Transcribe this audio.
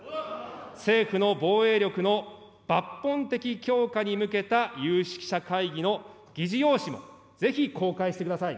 政府の防衛力の抜本的強化に向けた有識者会議の議事要旨もぜひ公開してください。